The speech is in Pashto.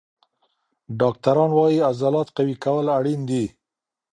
ډاکټران وایي عضلات قوي کول اړین دي.